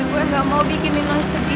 ri gue gak mau bikin nino sedih